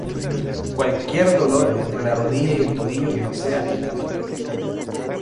Cualquier dolor entre la rodilla y el tobillo que no sea en la pantorrilla.